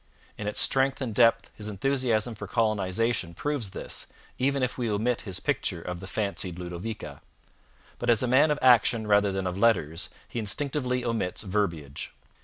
In its strength and depth his enthusiasm for colonization proves this, even if we omit his picture of the fancied Ludovica. But as a man of action rather than of letters he instinctively omits verbiage.